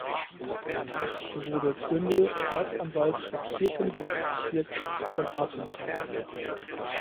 Danach wurde Trimble Staatsanwalt des vierten Gerichtsbezirks von Arkansas.